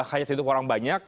hanya sedikit orang banyak